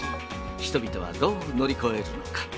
人々はどう乗り越えるのか。